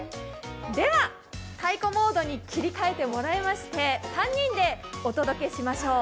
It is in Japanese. では、太鼓モードに切り替えてもらいまして３人でお届けしましょう。